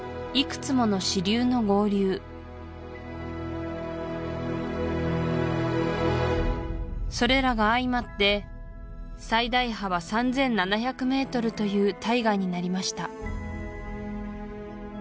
いくつもの支流の合流それらが相まって最大幅３７００ｍという大河になりました